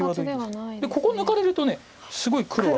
ここ抜かれるとすごい黒は。